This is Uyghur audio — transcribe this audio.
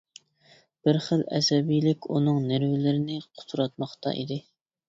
بىر خىل ئەسەبىيلىك ئۇنىڭ نېرۋىلىرىنى قۇتراتماقتا ئىدى.